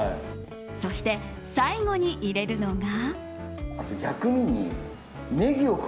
そして、最後に入れるのが。